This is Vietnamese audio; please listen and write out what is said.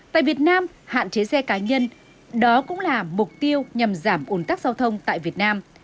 tại việt nam hạn chế xe cá nhân đó cũng là mục tiêu nhằm giảm ồn tắc giao thông tại việt nam